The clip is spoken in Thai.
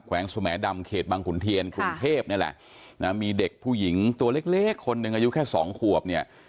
วงสมดำเขตบังขุนเทียนกรุงเทพนี่แหละนะมีเด็กผู้หญิงตัวเล็กเล็กคนหนึ่งอายุแค่สองขวบเนี่ย